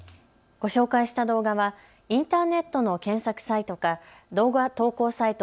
ご紹介した動画はインターネットの検索サイトか動画投稿サイト